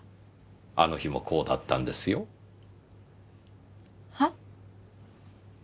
あの日もこうだったんですよ。は？